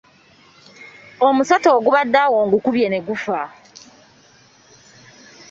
Omusota ogubadde awo ngukubye ne gufa.